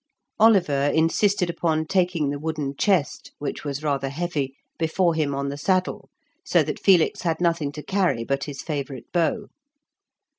Oliver insisted upon taking the wooden chest, which was rather heavy, before him on the saddle, so that Felix had nothing to carry but his favourite bow.